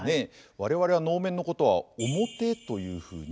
我々は能面のことは面というふうに。